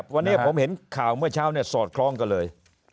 วันนี้ผมเห็นข่าวเมื่อเช้าสอดคล้องกันเลย